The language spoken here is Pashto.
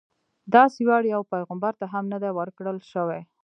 داسې ویاړ یو پیغمبر ته هم نه دی ورکړل شوی.